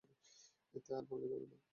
এদের আর ভাঙা যাবে না।